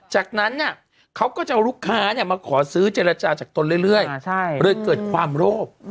จากนั้นเขาก็จะเอาลูกค้ามาขอซื้อเจรจาจากตนเรื่อยเลยเกิดความโลภ